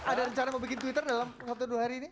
ada rencana mau bikin twitter dalam waktu dua hari ini